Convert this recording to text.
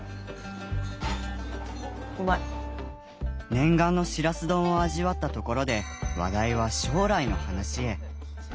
念願のしらす丼を味わったところで話題は将来の話へ。